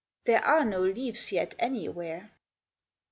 There are no leaves yet anywhere.